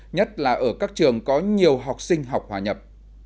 nhất là ở các trường có nhiều học sinh học hòa nhập